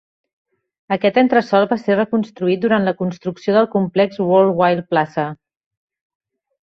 Aquest entresol va ser reconstruït durant la construcció del complex Worldwide Plaza.